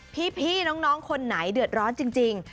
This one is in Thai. พี่น้องคนไหนเดือดร้อนจริง